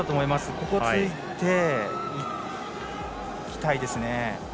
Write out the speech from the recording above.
ここついていきたいですね。